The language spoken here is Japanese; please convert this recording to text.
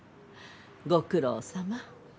ご苦労さま。